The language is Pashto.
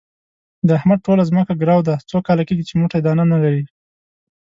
د احمد ټوله ځمکه ګرو ده، څو کاله کېږي چې موټی دانه نه لري.